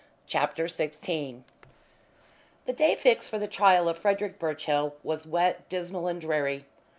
CHAPTER XVI The day fixed for the trial of Frederick Birchill was wet, dismal, and dreary.